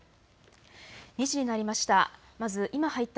２時になりました。